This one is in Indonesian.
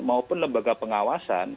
maupun lembaga pengawasan